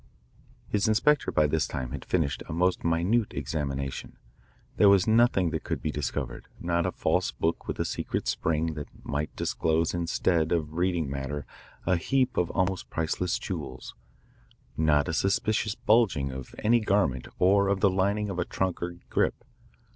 His inspector by this time had finished a most minute examination. There was nothing that could be discovered, not a false book with a secret spring that might disclose instead of reading matter a heap of almost priceless jewels, not a suspicious bulging of any garment or of the lining of a trunk or grip.